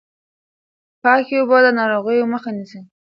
پاکې اوبه د ناروغیو مخه نيسي.